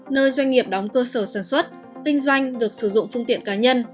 nơi doanh nghiệp đóng cơ sở sản xuất kinh doanh được sử dụng phương tiện cá nhân